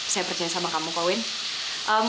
saya percaya sama kamu kok winn